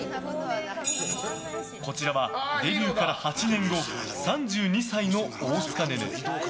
こちらはデビューから８年後３２歳の大塚寧々。